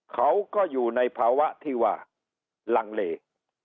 เขาก็อยู่ในภาวะที่ว่าลังเล